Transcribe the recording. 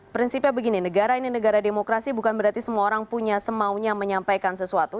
prinsipnya begini negara ini negara demokrasi bukan berarti semua orang punya semaunya menyampaikan sesuatu